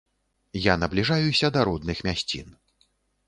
Я набліжаюся да родных мясцін.